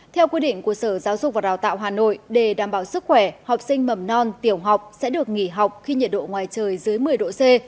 theo quy định của sở giáo dục và đào tạo hà nội để đảm bảo sức khỏe học sinh mầm non tiểu học sẽ được nghỉ học khi nhiệt độ ngoài trời dưới một mươi độ c